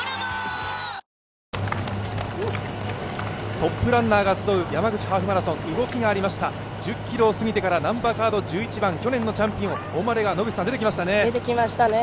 トップランナーが集う山口ハーフマラソン、動きがありました１０ｋｍを過ぎてから１１番去年のチャンピオンオマレが出てきましたね。